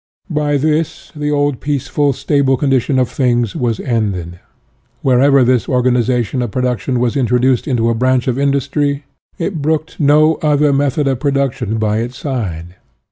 By this, the old, peaceful, stable condition of things was ended. Wherever this organization of production was intro duced into a branch of industry, it brooked no other method of production by its side.